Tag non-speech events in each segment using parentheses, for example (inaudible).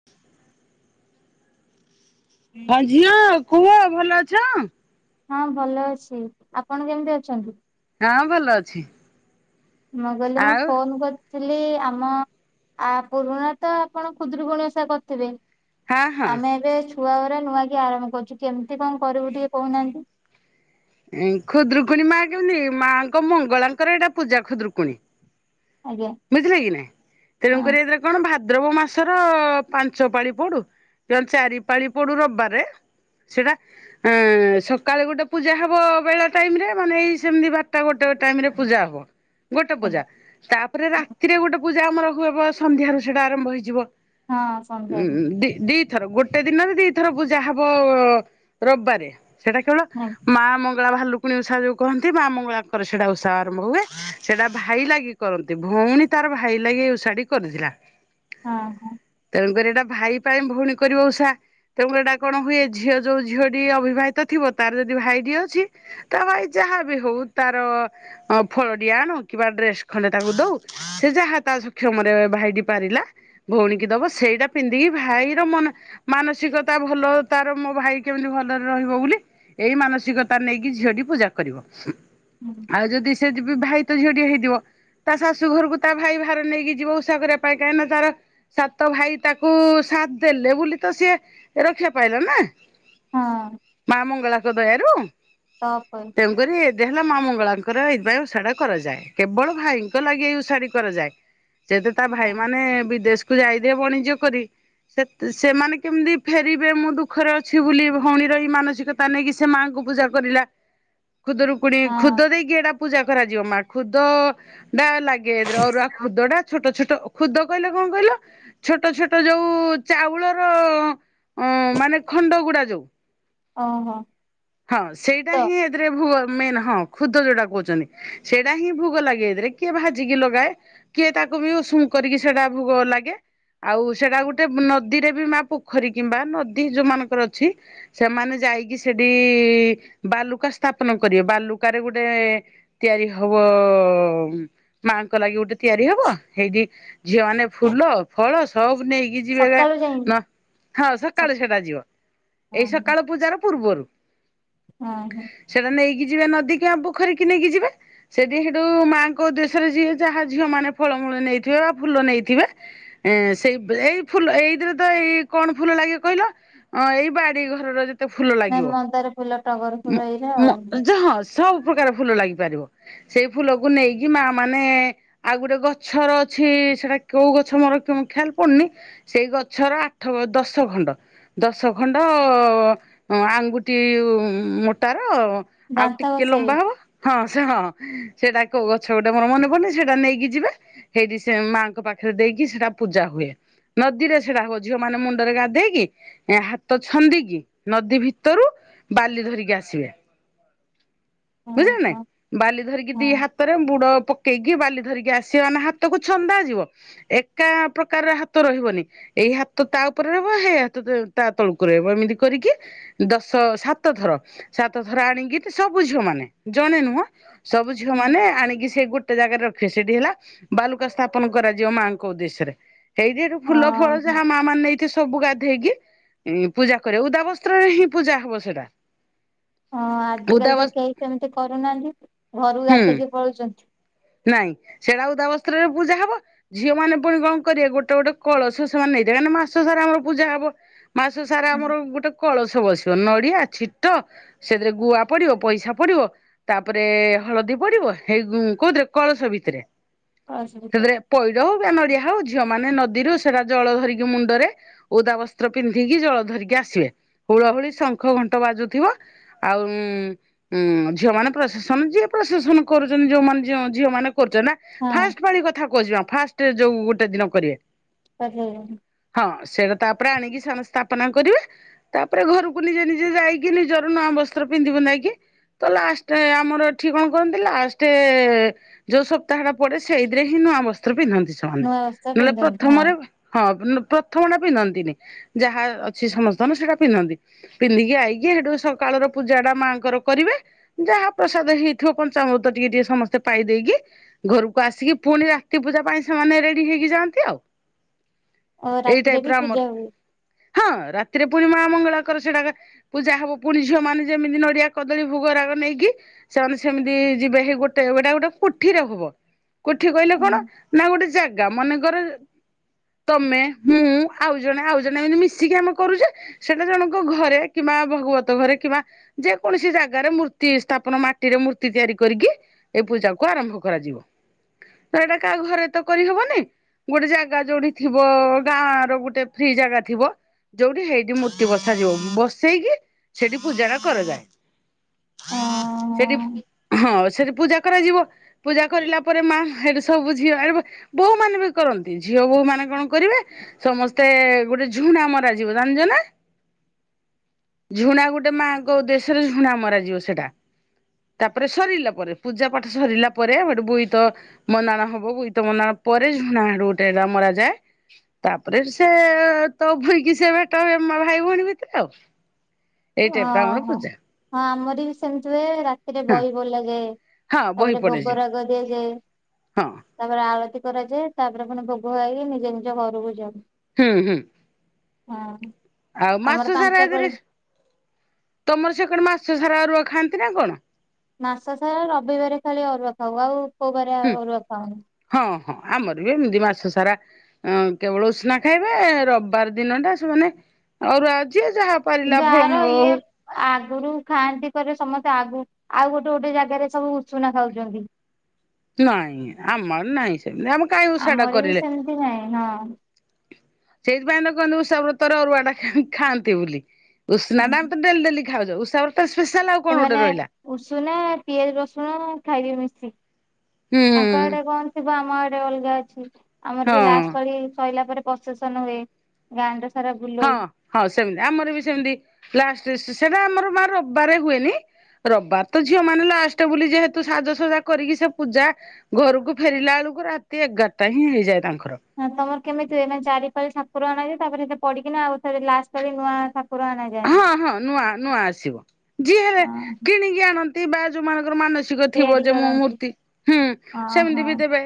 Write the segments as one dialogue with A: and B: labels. A: (inaudible) ହଁ ଝିଅ କୁହ ଭଲ ଅଛ?
B: ହଁ ଭଲ ଅଛି, ଆପଣ କେମିତି ଅଛନ୍ତି?
A: ହଁ ଭଲ ଅଛି।
B: (unintelligible)
A: ଆଉ
B: ଫୋନ କର ଚ ଆମ ଆ ପୁରୁଣା ତ ଆପଣ ଖୁଦରୁକୁୁଣୀଓଷା କରିଥିବେ।
A: ହଁ ହଁ
B: ଆମେ ଏବେ ଛୁଆଗୁରା ନୂଆ କି ଆରମ୍ଭ କରୁଛୁ କେମିତି କଣ କରିବୁ ଟିକେ କହୁନାହାନ୍ତି।
A: ଖୁଦୁକୁଣୀ ମା କେମତି ମାଙ୍କ ମଙ୍ଗଳାଙ୍କର ଏଇଟା ପୂଜା ଖୁଦୁରୁକୁଣୀ।
B: ଆଜ୍ଞା
A: ବୁଝଲେ କି ନାଇ ତେଣୁ
B: ହଁ
A: କରି କଣ ଭାଦ୍ରବ ମାସର ପାଞ୍ଚ ପାଳି ପଡୁ ଯଣ ଚାରି ପାଳି ପଡୁ ରବିବାରରେ ସେଇଟା ଅ ସକାଳେ ଗୋଟେ ପୂଜା ହବ। ହ ବେଳା ଟାଇମ ରେ ମାନେ ଏଇ ସେମତି ବାରଟା ଗୋଟେ ଟାଇମ ରେ ପୂଜା ହବ ଗୋଟେ ପରେ
B: ଆଜ୍ଞା
A: ତାପରେ ରାତିରେ ଗୋଟେ ପୂଜା ଆମର ହୁଏବ ସନ୍ଧ୍ୟାରୁ ସେଇଟା ଆରମ୍ଭ ହେଇଯିବ।
B: ହଁ
A: ହୁଁ
B: ସନ୍ଧ୍ୟାରେ
A: ଦେଇ ଦେଇ ଗୋଟେ ଦିନରେ ଦିଥର ପୂଜା ହବ ରବିବାରେ ସେଇଟା କେବଳ
B: ହଁ
A: ମା ମଙ୍ଗଳା ଭାଲୁକୁଣି ଉଷା ଯୋଉ କହନ୍ତି ମା ମଙ୍ଗଳାଙ୍କର ସେଇଟା ଉଷା ଆରମ୍ଭ ହୁଏ ସେଇଟା ଭାଇ ଲାଗି କରନ୍ତି ଭଉଣୀ ତାର ଭାଇ ଲାଗି ଓଷାଢୀ କରିଥିଲା।
B: ହଁ ହଁ।
A: ତେଣୁକରି ଏଇଟା ଭାଇ ପାଇଁ ଭଉଣୀ କରିବ ଉଷା। ତେଣୁ ଏଇଟା କଣ ହୁଏ ଝିଅ ଯୋଉ ଝିଅଟି ଅବିବାହିତ ଥିବ ତାର ଯଦି ଭାଇଟିଏ ଅଛି। ତା ଭାଇ ଯାହା ବି ହଉ ତାର ଫଳଡିଆଣ କିବା ଡ୍ରେସ ଖଣ୍ଡେ ତାକୁ ଦଉ ସେ ଯାହା ତା ସକ୍ଷମରେ ଭାଇଟି ପାରିଲା ଭଉଣୀ କି ଦବ ସେଇଟା ପିନ୍ଧିକି ଭାଇର ମନ ମାନସିକତା ଭଲ ତାର ମୋ ଭାଇ କେମିତି ଭଲରେ ରହିବ ବୋଲି ଏଇ ମାନସିକତା ନେଇକି ଝିଅଟି ପୂଜା କରିବ
B: ହଁ
A: ଆଉ ଯଦି ସେ ବି ଭାଇ ତ ଝିଅ ଟିଏ ହେଇଥିବ। ତା ଶାଶୁ ଘରକୁ ତା ଭାଇ ବାହାର ନେଇକି ଯିବ ଉଷା କରିବା ପାଇଁ କାହିଁକି ନା ତାର ସାତ ଭାଇ ତାକୁ ସାଥ ଦେଲେ ବୋଲି ତ ସିଏ ରକ୍ଷା ପାଇଲା ନା।
B: ହଁ।
A: ମା ମଙ୍ଗଳା ଙ୍କ ଦୟାରୁ
B: (unintelligible)
A: ତେଣୁକରି ଏଟ ହେଲା ମା ମଙ୍ଗଳାଙ୍କର ଏଇଥିପାଇଁ ଓଷାଢା କରାଯାଏ କେବଳ ଭାଇଙ୍କ ଲାଗି ଏଇ ଓଷା କରାଯାଏ।
B: (inaudible)
A: ସେତ ତା ଭାଇ
B: ହଁ
A: ମାନେ ବିଦେଶ କୁ ଯାଇଦିଏ ବଣିଜ୍ୟ କରି ସେ ସେମାନେ କେମିତି ଫେରିବେ ମୁଁ ଦୁଃଖରେ ଅଛି ବୋଲି ଭଉଣୀର ମାନସିକତା ନେଇକି ସେ ମାଆଙ୍କୁ ପୂଜା କରିଲା ଖୁଦରୁ କୁଣି
B: ହଁ
A: ଖୁଦ ଦେଇକି ଏଟା ପୂଜା କରାଯିବ ମା ଖୁଦ ଟା ଲାଗେ ଏରେ ଅରୁଆ ଖୁଦ ଟା ଛୋଟ ଛୋଟ। ଖୁଦ କହିଲେ କଣ କହିଲ? ଛୋଟ ଛୋଟ ଯୋଉ ଚାଉଳର ଅ ମାନେ ଖଣ୍ଡ ଗୁଡା ଯୋଉ।
B: ଅ ହଁ।
A: ହଁ। ସେଇଟା ହିଁ ଏଥିରେ ଭୁ ମେନ୍ ହଁ। ଖୁଦ ଯୋଉଟା କହୁଛନ୍ତି। ସେଇଟା ହିଁ ଭୁଗ ଲାଗେ ଏଥିରେ। କିଏ ଭାଜିକି ଲଗାଏ। କିଏ ତାକୁ ବି ଉଷୁମ କରିକି ସେଟା ଭୁଗ ଲାଗେ। ଆଉ ସେଟା ଗୋଟେ ନଦୀରେ ବି ମା ପୋଖରୀ କିମ୍ବା ନଦୀ ଯୋଉମାନଙ୍କର ଅଛି ସେମାନେ ଯାଇକି ସେଠି ବାଲୁକା ସ୍ଥାପନ କରିବେ। ବାଲୁକାରେ ଗୁଟେ ତିଆରି ହବ ମାଙ୍କ ଲାଗି ଗୋଟେ ତିଆରି ହବ। ହେଇଠି ଝିଅ ମାନେ ଫୁଲ ଫଳ ସବୁ ନେଇ
B: ସକାଳୁ ଯାଇଁ
A: (unintelligible) ହଁ ସକାଳୁ ସେଟା ଯିବ। ଏଇ ସକାଳୁ ପୂଜାର ପୂର୍ବରୁ।
B: ହଁ ହଁ।
A: ସେଇଟା ନେଇକି ଯିବେ ନଦୀ ଆଉ ପୋଖରୀ କିି ନେଇକି ଯିବେ। ସେଠି ସେଠୁ ମାଆଙ୍କ ଉଦ୍ଦେଶ୍ୟରେ ଯିଏ ଯାହା ଝିଅ ମାନେ ଫଳମୂଳ ନେଇଥିବେ ବା ଫୁଲ ନେଇଥିବେ ଏଁ ସେଇ ଏଇ ଫୁଲ ଏଇଥିରେ ତ ଏଇ କଣ ଫୁଲ ଲାଗେ କହିଲ? ଅଁ ଏଇ ବାଡି ଘରର ଯେତେ ଫୁଲ
B: ନାଇଁ
A: ଲାଗିବ।
B: ମନ୍ଦାର ଫୁଲ, ଟ
A: ମ ମ ଯ ହଁ ସବୁ ପ୍ରକାର ଫୁଲ ଲାଗି ପାରିବ। ସେଇ ଫୁଲକୁ ନେଇକି ମାଆ ମାନେ ଆଉ ଗୋଟେ ଗଛର ଅଛି ସେଟା କୋଉ ଗଛ ମୋର ଖିଆଲ ପଡ଼ୁନି ସେଇ ଗଛର ଆଠ ଦଶ ଖଣ୍ଡ, ଦଶ ଖଣ୍ଡ ଆଙ୍ଗୁଠି ଟି ମୋଟା ର ଆଉ
B: ଦାନ୍ତ
A: ଟିକେ
B: ଘଷେଇବେ
A: ଲମ୍ବା ହବ ହଁ ସେ ହଁ ସେଟା କୋଉ ଗଛ ଗୋଟେ ମୋର ମନେ ପଡ଼ୁନ ସେଇଟା ନେଇକି ଯିବେ। ହେଇଠି ସେ ମାଆଙ୍କ ପାଖରେ ଦେଇକି ସେଟା ପୂଜା ହୁଏ। ନଦୀରେ ସେଟା ହବ ଝିଅ ମାନେ ମୁଣ୍ଡରେ ଗାଧେଇକି ଏ ହାତ ଛନ୍ଦିକି ନଦୀ ଭି ଭିତରୁ ବାଲି ଧରିକି ଆସିବେ।
B: ହଁ
A: ବୁଝିଚ ନା ନାଇଁ?
B: ହଁ
A: ବାଲି ଧରିକି ଦି ହା ହାତରେ ବୁଡ଼ ପକେଇକି ବାଲି ଧରିକି ଆସିବେ ମାନେ ହାତକୁ ଛନ୍ଦା ଯିବ। ଏକା ପ୍ରକାରର ହାତ ରହିବନି। ଏଇ ହାତ ତା ଉପରେ ରହିବ। ହେଇ ହାତ ତା ତଳକୁ ରହିବ। ଏମିତି କରିକି ଦଶ ସାତ ଥର, ସାତ ଥର ଆଣିକି ସବୁ ଝିଅ ମାନେ ଜଣେ ନୁହଁ ସବୁ ଝିଅ
B: ହଁ।
A: ମାନେ ଆଣିକି ସେ ଗୋଟେ ଜାଗାରେ ରଖିବେ। ସେଇଠି ହେଲା ବାଲୁକା ସ୍ଥାପନ କରାଯିବ ମାଆଙ୍କ ଉଦ୍ଦେଶ୍ୟରେ। ହେଇଠି ସେଠୁ
B: ହଁ
A: ଫୁଲ ଫଳ
B: ହଁ
A: ଯାହା ମାଆ ମାନେ ନେଇଥିବେ ସବୁ ଗାଧେଇକି, ପୂଜା କରିବେ। ଓଦା ବସ୍ତ୍ରରେ ହିଁ ପୂଜା ହବ ସେଟା।
B: ହଁ। ଆଜିକାଲି ତ କେହି ସେମିତି କରୁନାହାନ୍ତି। ଘରୁ
A: ହୁଁ।
B: ଗାଧେଇକି ପଳଉଛନ୍ତି।
A: ନାଇଁ ସେଇଟା ଓଦା ବସ୍ତ୍ରରେ ପୂଜା ହବ। ଝିଅ ମାନେ ପୁଣି କଣ କରିବେ ଗୋଟେ ଗୋଟେ କଳସ ସେମାନେ ନେଇଥିବେ। କାହିଁକି ନା ମାସ ସାରା ଆମର ପୂଜା ହବ। ମାସ ସାରା ଆମର ଗୋଟେ କଳସ ବସିବ। ନଡ଼ିଆ ଛିଟ ସେଥିରେ ଗୁଆ ପଡ଼ିବ, ପଇସା ପଡ଼ିବ, ତାପରେ ହଳଦୀ ପଡ଼ିବ, ହେଇ କୋଉଥିରେ କଳସ ଭିତରେ।
B: କଳସ ଭିତରେ
A: ସେଥିରେ ପଇଡ଼ ହଉ ବା ନଡ଼ିଆ ହଉ, ଝିଅମାନେ ନଦୀରୁ ସେଟା ଜଳ ଧରିକି ମୁଣ୍ଡରେ ଓଦା ବସ୍ତ୍ର ପିନ୍ଧିକି ଜଳ ଧରିକି ଆସିବେ। ହୁଳହୁଳି, ଶଙ୍ଖ, ଘଣ୍ଟ ବାଜୁଥିବ ଆଉ ଉଁ ଝିଅ ମାନେ ପ୍ରସେସନ ଯିଏ ପ୍ରସେସନ କରୁଛନ୍ତି ଯୋଉମାନେ ଝିଅ ଝିଅ ମାନେ କରୁଛନ୍ତି ନା।
B: ହଁ
A: ଫାଷ୍ଟ ପାଳି କଥା କହୁଚି ମା ଫାଷ୍ଟ ଯୋଉ ଗୋଟେ ଦିନ କରିବେ।
B: (unintelligible)
A: ହଁ ସେଇଟା ତାପରେ ଆଣିକି ସେମାନେ ସ୍ଥାପନା କରିବେ ତାପରେ ଘରକୁ ନିଜେ ନିଜେ ଯାଇକି ନିଜର ନୂଆ ବସ୍ତ୍ର ପିନ୍ଧି ପୁନ୍ଧା କି ତ ଲାଷ୍ଟ ଆମର ଏଠି କଣ କରନ୍ତି ଲାଷ୍ଟ ଯୋଉ ସପ୍ତାହ ଟା ପଡ଼େ ସେଇଥିରେ ହିଁ ନୂଆ ବସ୍ତ୍ର ପିନ୍ଧନ୍ତି ସେମାନେ
B: ନୂଆ ବସ୍ତ୍ର
A: ନହେଲେ
B: ପିନ୍ଧନ୍ତି ହଁ।
A: ପ୍ରଥମରେ ହଁ ପ୍ରଥମ ଟା ପିନ୍ଧନ୍ତିନି ଯାହା ଅଛି ସମସ୍ତଙ୍କର ସେଇଟା ପିନ୍ଧନ୍ତି। ପିନ୍ଧିକି ଆଇକି ହେଠୁ ସକାଳର ପୂଜାଟା ମାଆଙ୍କର କରିବେ। ଯାହା ପ୍ରସାଦ ହେଇଥିବ ପଞ୍ଚାମୃତ ଟିକେ ଟିକେ ସମସ୍ତେ ପାଇ ଦେଇକି ଘରକୁ ଆସିକି ପୁଣି ରାତି ପୂଜା ପାଇଁ ସେମାନେ ରେଡ଼ି ହେଇକି ଯାଆନ୍ତି ଆଉ।
B: (inaudible)
A: ଏଇ
B: ରାତିରେ
A: ଟାଇପ୍
B: ବି
A: ର
B: ପୂଜା ହୁଏ
A: ଆମର ହଁ ରାତିରେ ପୁଣି ମା ମଙ୍ଗଳାଙ୍କ ର ସେଇଟାକା ପୂଜା ହବ ପୁଣି ଝିଅ ମାନେ ଯେମିତି ନଡ଼ିଆ କଦଳୀ ଭୋଗ ରାଗ ନେଇକି। ସେମାନେ ସେମିତି ଯିବେ ହେଇ ଗୋଟେ ଏଇଟା ଗୋ କୋଠିରେ ହବ କୋଠି କହିଲେ
B: ହୁଁ
A: କଣ ନା ଗୋଟେ ଜାଗା ମନେକର ତମେ, ମୁଁ, ଆଉ ଜଣେ, ଆଉ ଜଣେ ଏମିତି ମିଶିକି ଆମେ କରୁଚେ। ସେଇଟା ଜଣଙ୍କ ଘରେ କିମ୍ବା ଭାଗବତ ଘରେ କିମ୍ବା ଯେକୌଣସି ଜାଗାରେ ମୂର୍ତ୍ତି ସ୍ଥାପନ ମାଟିରେ ମୂର୍ତ୍ତି ତିଆରି କରିକି ଏଇ ପୂଜା କୁ ଆରମ୍ଭ କରାଯିବ ତ ଏଇଟା କାହା ଘରେ ତ କରି ହବନି। ଗୋଟେ ଜାଗା ଯୋଉଠି ଥିବ ଗାଁ ର ଗୋଟେ ଫ୍ରୀ ଜାଗା ଥିବ। ଯୋଉଠି ସେଇଠି ମୂର୍ତ୍ତି ବସାଯିବ ବସେଇକି ସେଇଠି ପୂଜା ଟା କରାଯାଏ। ସେଇଠି
B: ଅଁ
A: ହଁ ସେଇଠି ପୂଜା କରାଯିବ ପୂଜା କରିଲା ପରେ ମାଆ ହେଇଠୁ ସବୁ ଝିଅ ଆରେ ବୋହୁ ମାନେ ବି କରନ୍ତି ଝିଅ ବୋହୁ ମାନେ କଣ କରିବେ ସମସ୍ତେ ଗୋଟେ ଝୁଣା ମରାଜିବ। ଜାଣିଚ ନା? ଝୁଣା ଗୋଟେ ମାଙ୍କ ଉଦ୍ୟଶରେ ଝୁଣା ମରାଯିବ ସେଟା। ତାପରେ ସରିଲା ପରେ ପୂଜା ପାଠ ସରିଲା ପରେ ହେଇଟୁ ବୋଇତ ମନ୍ଦାଣ ହବ ବୋଇତ ମନ୍ଦାଣ ପରେ ଝୁଣା ଗୋଟେ ମରା ଯାଏ। ତାପରେ ସେ ତପୋଇକି ସେ ଭେଟ ହେବେ ଭାଇ ଭୋଉଣୀ ଭିତରେ ଆଉ।
B: (inaudible)
A: ଏଇ ଟାଇପ୍ ର
B: ଓହୋ
A: ଆମର
B: ହଁ
A: ପୂଜା
B: ଆମର ବି ସେମିତି ହୁଏ ରାତିରେ
A: ହଁ
B: ବହି ବୋଲା ଯାଏ।
A: ହଁ ବହି
B: ତାପରେ
A: ପଡେଯିବ
B: ଭୋଗ ରାଗ ଦିଆଯାଏ।
A: ହଁ
B: ତାପରେ ଆଳତି କରାଯାଏ ତାପରେ ପୁଣି ଭୋଗ ହୋଇକି ନିଜେ ନିଜ ଘରକୁ ଯାଉ।
A: ହୁଁ ହୁଁ।
B: ହଁ।
A: ଆଉ
B: ଆମର
A: ମାସ ସାରା
B: ପାଞ୍ଚ ପାଳି
A: ହେଥିରିସ୍ ତମର ସେ କଣ ମାସ ସାରା ଅରୁଆ ଖାଆନ୍ତି ନା କଣ?
B: ମାସ ସାରା ରବିବାର ଖାଲି ଅରୁଆ ଖାଉ ଆଉ କୋଉ ବାରେ
A: ହୁଁ
B: ଅରୁଆ ଖାଉନୁ।
A: ହଁ ହଁ ଆମର ବି ଏମିତି ମାସ ସାରା କେବଳ ଉଷ୍ନା ଖାଇବେ ରବିବାର ଦିନ ଟା ସେମାନେ ଅରୁଆ ଯିଏ ଯାହା ପାରିଲା
B: କିନ୍ତୁ ଆର
A: ଫଳମୂଳ
B: ଇଏ
A: ହଉ
B: ଆଗରୁ ଖାଆନ୍ତି କରି ସମସ୍ତେ ଆଗୁ ଆଉ ଗୋଟେ ଗୋଟେ ଜାଗାରେ ସବୁ ଉଷୁନା ଖାଉଚନ୍ତି।
A: ନାଇଁ ଆମର ନାହିଁ ସେମିତି ଆମ
B: ଆମର ବି ସେମିତି ନାହିଁ ହଁ।
A: ସେଇଥିପାଇଁ ତ କହନ୍ତି ଉଷାବ୍ରତରେ ଅରୁଆ ଟା ଖାଆନ୍ତି ବୋଲି। ଉଷନା ଟା ଆମେ ତ ଡେଲି ଖାଉଚେ ଉଷାବାରେ ତ ସ୍ପେଶାଲ ଆଉ। କଣ ଗୋଟେ
B: ସେମାନେ
A: ରହିଲା
B: ଉଷୁନା ପିଆଜ ରସୁଣ ଖାଇବେ ମିଶିକି।
A: ହୁଁ
B: ତାଙ୍କ ଆଡେ କଣ ଥିବ ଆମ ଆଡେ ଅଲଗା ଅଛି ଆମର ବି ଲାଷ୍ଟ
A: ହଁ
B: ପାଳି ସଇଲା ପରେ ପ୍ରସେସନ ହୁଏ ଗାଁଆଟା ସାରା
A: ହଁ
B: ବୁଲଉ।
A: ହଁ ସେମିତି ଆମର ବି ସେମତି ଲାଷ୍ଟ ସ ସ ସେଟା ଆମର ମା ରବିବାରେ ହୁଏନି। ରବିବାରେ ତ ଝିଅ ମାନେ ଲାଷ୍ଟ ବୋଲି ଯେହେତୁ ସାଜସଜା କରିକି ସେ ପୂଜା ଘରକୁ ଫେରିଲା ଆଳକୁ ରାତି ଏଗାରଟା ହିଁ ହେଇଯାଏ ତାଙ୍କର।
B: ହଁ ତମର କେମିତି ହୁଏ ମାନେ ଚାରି ପାଳି ଠାକୁର ଅଣା ହୁଏ ତାପରେ ସେ ପଡିକିନା ଆଉଥରେ ଲାଷ୍ଟ ପାଳି ନୂଆ ଠା
A: ହଁ ହଁ ନୂଆ ନୂଆ ଆସିବ ଯିଏ ହେଲେ
B: ହଁ
A: କିଣିକି ଆଣନ୍ତି ବା ଯୋଉମାନଙ୍କର ମାନସିକ ସିକ ଥିବ
B: ତିଆରି
A: ଯେ ମୁଁ
B: କରନ୍ତି
A: ମୂର୍ତ୍ତି ହୁଁ
B: ହଁ
A: ସେମିତି
B: ହଁ।
A: ବି ଦେବେ।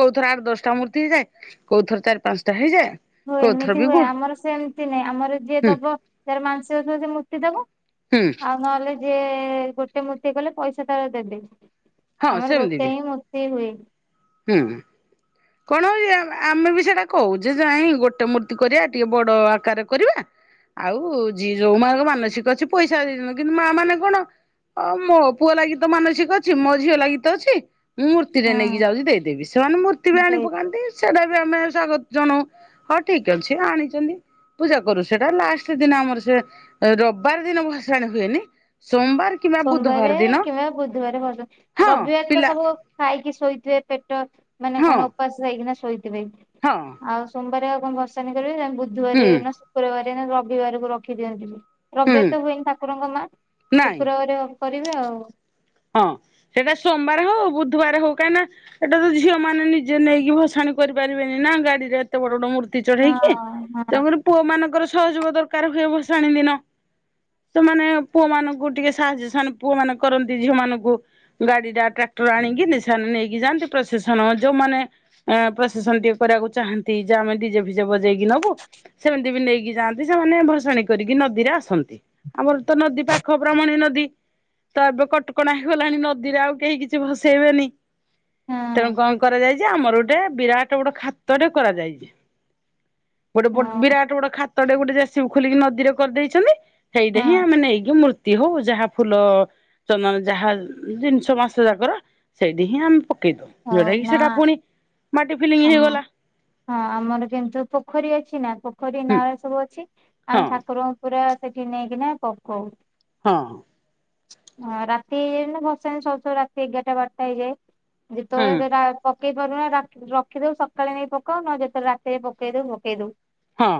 A: କୋଉଥର ଆଠ ଦଶଟା ମୂର୍ତ୍ତି ହେଇଯାଏ କୋଉଥର ଚାରି ପାଂସାଟା ହେଇଯାଏ।
B: ହୁଏ
A: କୋଉଥର
B: ଏମିତି
A: ବି
B: ହୁଏ
A: ଗୁ
B: ଆମର ସେମିତି ନାଇଁ ଆମର ଯିଏ
A: ହୁଁ
B: ଦବ ଯାର ମାଂଶିକ ଥିବ ସେ ମୂର୍ତି ଦବ
A: ହୁଁ।
B: ନହେଲେ ଯିଏ ଗୋଟେ ମୂର୍ତ୍ତି କଲେ ପଇସା ତାର ଦେବେ
A: ହଁ
B: ଆମର
A: ସେମିତି
B: ଗୋଟେ
A: ବି
B: ହିଁ ମୂର୍ ର୍ତ୍ତି ହୁଏ।
A: ହୁଁ। କଣ ଇଏ ଆମେ ବି ସେଟା କହୁଯେ ନାହି ଗୋଟେ ମୂର୍ତ୍ତି କରିବା ଟିକେ ବଡ ଆକାରରେ କରିବା ଆଉ ଜି ଯୋଉମାନଙ୍କ ମାନସିକ ଅଛି ପଇସା ଦେଇ (inaudible) କିନ୍ତୁ ମା ମାନେ କଣ ଅ ମୋ ପୁଅ ଲାଗୀ ତ ମାନସିକ ଅଛି ମୋ ଝିଅ ଲାଗୀ ତ ଅଛି। ମୁଁ ମୂର୍ତ୍ତିଟେ ନେଇକି
B: ହଁ
A: ଯାଉଛି ଦେଇଦେବି ସେମାନେ ମୂର୍ତ୍ତି ବି ଆଣି
B: ସେଇ
A: ପକାନ୍ତି ସେଟା ବି ଆମେ ସ୍ଵାଗତ ଜଣାଉ। ହ ଠିକ ଅଛି ଆଣିଚନ୍ତି। ପୂଜା କରୁ ସେଟା ଲାଷ୍ଟ ଦିନ ଆମର ସେ ଏ ରବିବାର ଦିନ ଭସାଣି ହୁଏନି। ସୋମ୍ୱାର
B: ସୋମବାରେ କିମ୍ବା ବୁଧବାରେ ଭସାଣି
A: ହଁ
B: ରବିବାରେ ତ
A: ପିଲା
B: ସବୁ ଖାଇକି ଶୋଇଥିବେ ପେଟ ମାନେ
A: ହଁ
B: କଣ ଉପାସ ହେଇକିଣା ଶୋଇଥିବେ।
A: ହଁ।
B: ଆଉ ସୋମବାର ଆଉ କଣ ଭସାଣି କରିବେ ବୁଧବାରେ
A: ହୁଁ
B: ନା ଶୁକ୍ରବାର ନା ରବିବାରକୁ ରଖି ଦିଅନ୍ତି ବି।
A: ହୁଁ
B: ରବିବାରେ ତ ହୁଏନି ଠାକୁରଙ୍କ ମା
A: ନାଇଁ।
B: କରିବେ ଆଉ କରିବେ ଆଉ।
A: ହଁ ସେଟା ସୋମବାରେ ହଉ ବୁଧବାରେ ହଉ କାହିଁ ନା ଏଟା ତ ଝିଅ ମାନେ ନିଜେ ନେଇକି ଭସାଣି କରିପାରିବେନି ନା ଗାଡିରେ ଏତେ ବଡ ବଡ ମୂର୍ତ୍ତି
B: ହଁ
A: ଚଢେଇକି
B: ହଁ
A: ତେଣୁ କରି ପୁଅ ମାନଙ୍କର ସହଯୋଗ ଦରକାର ହୁଏ ଭସାଣୀ ଦିନ। ସେମାନେ ପୁଅ ମାନଙ୍କୁ ଟିକେ ସାହାଯ୍ୟ ସାନ ପୁଅ ମାନେ କରନ୍ତି ଝିଅ ମାନଙ୍କୁ। ଗାଡି ଟା ଟ୍ରାକ୍ଟର ଆଣିକି ନିସା ନେଇକି ଯାଆନ୍ତି ପ୍ରଶେସନ ଯୋଉମାନେ ଏଁ ପ୍ରସେସନ ଟିକେ କରିବାକୁ ଚାହାନ୍ତି ଜେ ଆମେ ଡିଜେ ଭିଜେ ବଜେଇକି ନବୁ ସେମିତି ବି ନେଇକି ଯାଆନ୍ ନ୍ତି ସେମାନେ ଭସାଣୀ କରିକି ନଦୀରେ ଆସନ୍ତି ଆମର ତ ନଦୀ ପାଖ ବ୍ରାହ୍ମଣୀ ନଦୀ। ତ ଏବେ କଟକଣା ହେଇଗଲାଣି ନଦୀରେ ଆଉ କେହି କିଛି ଭସେଇବେନି
B: ହଁ
A: ତେଣୁ କଣ କରାଯାଇ ଚି ଆମର ଗୋଟେ ବିରାଟ ବଡ ଖାତ ଟେ କରାଯାଇଛି ଗୋଟେ ବ
B: ହଁ
A: ବିରାଟ ବଡ ଖା ତ ଟେ ଗୋଟେ ଜେସିବି ଖୋଲିକି ନଦୀରେ କରିଦେଇଛନ୍ତି ସେଇଟା
B: ହଁ।
A: ହିଁ ଆମେ ନେଇକି ମୃ ର୍ତୀ ହଉ ଯାହା ଫୁଲ ଚନ୍ଦନ ଯାହା ଜିନିଷ ମାସ ଯାକର ସେଇଠି ହିଁ ଆମେ ପକେଇ ଦଉ।
B: ହଉ
A: ଯୋଉଟା କିି
B: ନା
A: ସେଟା ପୁଣି ମାଟି ଫିଲିଙ୍ଗ
B: ଆମ
A: ହେଇଗଲା।
B: ହଁ ଆମର କିନ୍ତୁ ପୋଖରୀ ଅଛି ନା ପୋଖରୀ
A: ହୁଁ
B: ନାଳ ସବୁ ଅଛି
A: ହଁ
B: ଆମେ ଠାକୁର ପୁରା ସେଠି ନେଇକିନା ପକଉ।
A: ହଁ।
B: ହଁ ରାତି ହେନେ ଭସାଣୀ ସରୁ ସରୁ ରାତି ଏଗାରଟା ବାରଟା ହେଇଯାଏ। ଗୀତ
A: ହୁଁ
B: ଗାଇବାରେ ସେଇଟା ପକେଇ ପାରୁନ ରାଖ୍ ରଖ୍ ରଖିଦେଉ ସକାଳେ ନେଇ ପକାଉ ନ ଯେତେ ରାତିରେ ପକେଇ ଦେଉ ପକେଇ ଦେଉ।
A: ହଁ।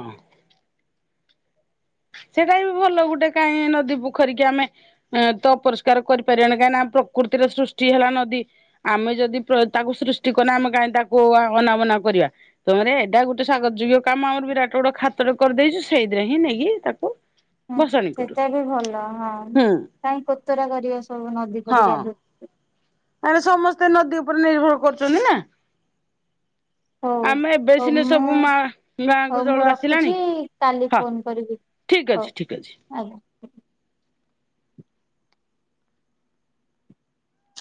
A: ସେଇଟା ବି ଭଲ ଗୋଟେ କାହିଁ ନଦୀ ପୋଖରି କି ଆମେ ଏ ତ ଅପରିଷ୍କାର କରିପାରିବନି କାହିଁକି ନା ପ୍ରକୃତିର ସୃଷ୍ଟି ହେଲା ନଦୀ। ଆମେ ଯଦି ପ୍ର ତାକୁ ସୃଷ୍ଟି କର ନା ଆମେ କାହିଁ ତାକୁ ଅନାବନା କରିବା। ତମରେ ଏ ଏଇଟା ଗୋଟେ ସ୍ଵାଗତ ଯୋଗ୍ୟ କାମ ଆମର ବିରାଟ ବଡ ଖାତର କରିଦେଇଛୁ ସେଇଥିରେ ହିଁ ନେଇକି ତାକ୍ ହଁ
B: ହଁ ସେଟା ବି ଭଲ ହଁ
A: ହୁଁ
B: କାହିଁ କୋତରା କରିବେ ସବୁ ନଦୀ
A: ହଁ
B: ପଦୀ ଗାଧୁ
A: ଆରେ ସମସ୍ତେ ନଦୀ ଉପରେ ନିର୍ଭର କରୁଛନ୍ତି ନା।
B: ହଉ
A: ଆମେ ଏବେ
B: ହଉ
A: ସିନା ସବୁ
B: ମୁଁ
A: ମା ଗାଁକୁ
B: ହଉ
A: ଜଳ
B: ମୁଁ ରଖୁଛି କାଲି ଫୋନ କରିବି।
A: ଠିକ୍
B: ହଉ
A: ଅଛି ଠିକ୍ ଅଛି।
B: ଆଜ୍ଞା।